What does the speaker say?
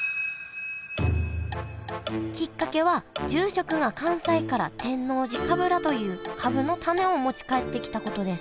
きっかけは住職が関西から天王寺かぶらというカブの種を持ち帰ってきたことです